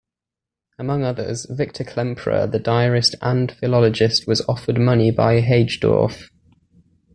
Among others, Victor Klemperer, the diarist and philologist, was offered money by Hagedorff.